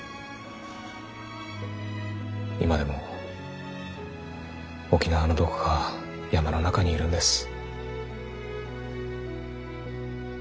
今でも沖縄のどこか山の中にいるんです。